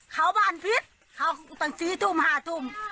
เขาบ้านพิกเขาตั้งสี่ทุ่มห้าทุ่ม